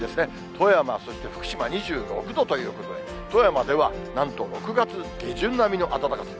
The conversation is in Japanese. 富山、そして福島２６度ということで、富山ではなんと６月下旬並みの暖かさ。